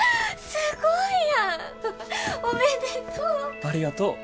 ありがとう！